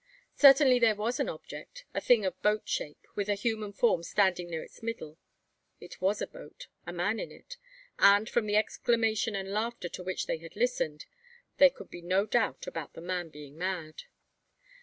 Certainly there was an object, a thing of boat shape, with a human form standing near its middle. It was a boat, a man in it; and, from the exclamation and laughter to which they had listened, there could be no doubt about the man being mad.